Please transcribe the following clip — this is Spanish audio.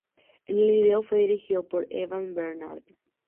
En el vídeo fue dirigido por Evan Bernard.